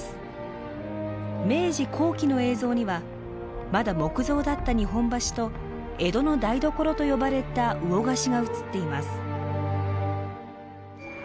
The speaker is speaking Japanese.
明治後期の映像にはまだ木造だった日本橋と江戸の台所と呼ばれた魚河岸が映っています。